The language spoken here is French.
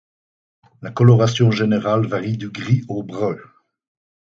La coloration générale varie du gris au brun.